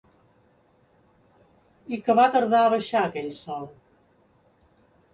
I que va tardar a baixar aquell sol